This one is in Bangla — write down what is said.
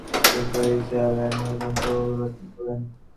তিনি তার রিসালায়ে নুর গ্রন্থ রচনা করেন।